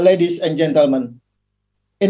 puan puan dan puan puan